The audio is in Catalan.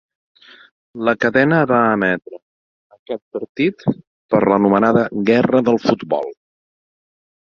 La cadena va emetre aquest partit per l'anomenada guerra del futbol.